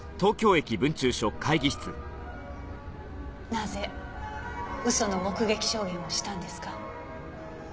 なぜ嘘の目撃証言をしたんですか？